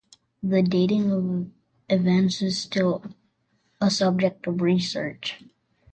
The dating of events is still a subject of research.